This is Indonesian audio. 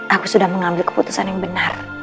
aku sudah mengambil keputusan yang benar